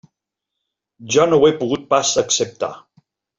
Jo no ho he pogut pas acceptar.